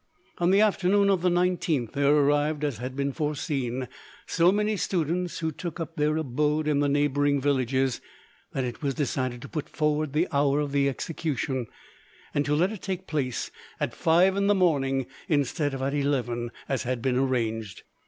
On, the afternoon of the 19th there arrived, as had been foreseen, so many students, who took up their abode in the neighbouring villages, that it was decided to put forward the hour of the execution, and to let it take place at five in the morning instead of at eleven, as had been arranged.